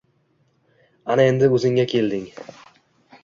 Ana endi o`zingga kelding